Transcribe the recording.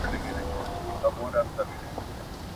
• له يوه لاسه ټک نه خېژي.